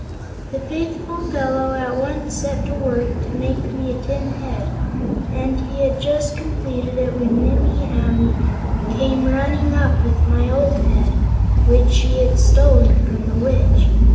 The faithful fellow at once set to work to make me a tin head, and he had just completed it when Nimmie Amee came running up with my old head, which she had stolen from the Witch.